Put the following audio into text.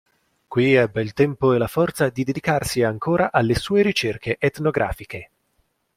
Qui ebbe il tempo e la forza di dedicarsi ancora alle sue ricerche etnografiche.